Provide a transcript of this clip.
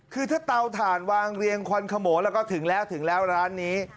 คือเท่าฐานวางเรียงควัญขโหมแล้วก็ถึงแล้วร้านนี้